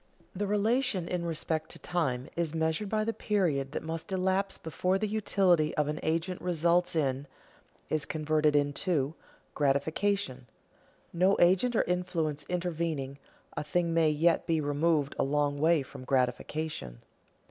_ The relation in respect to time is measured by the period that must elapse before the utility of an agent results in, is converted into, gratification. No agent or influence intervening, a thing may yet be removed a long way from gratification.